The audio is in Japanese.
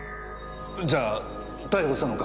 じゃあ逮捕したのか？